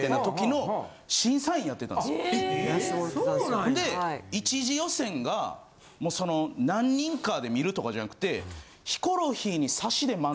ほんで１次予選がその何人かで見るとかじゃなくて。